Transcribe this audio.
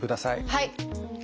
はい。